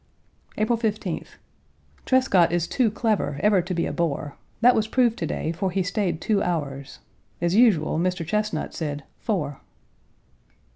April 15th. Trescott is too clever ever to be a bore; that was proved to day, for he stayed two hours; as usual, Page 156 Mr. Chesnut said "four."